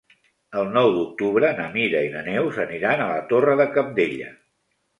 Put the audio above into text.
El nou d'octubre na Mira i na Neus aniran a la Torre de Cabdella.